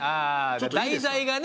題材がね